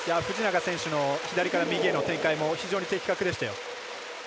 藤永選手の左から右への展開も非常に的確でしたよ。